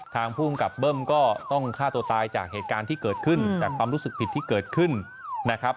ภูมิกับเบิ้มก็ต้องฆ่าตัวตายจากเหตุการณ์ที่เกิดขึ้นจากความรู้สึกผิดที่เกิดขึ้นนะครับ